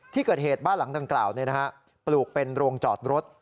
ที่เกิดเหตุบ้านหลังดังกล่าวปลูกเป็นโรงจอดรถ